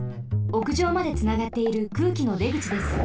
おくじょうまでつながっている空気のでぐちです。